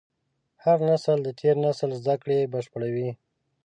هر نسل د تېر نسل زدهکړې بشپړوي.